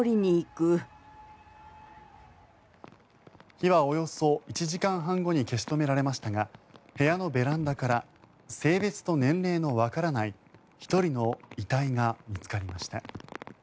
火はおよそ１時間半後に消し止められましたが部屋のベランダから性別と年齢のわからない１人の遺体が見つかりました。